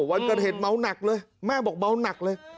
วันการเห็นเมาด์หนักเลยแม่บอกเมาด์หนักเลย